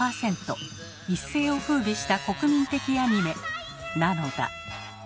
一世を風靡した国民的アニメなのだ。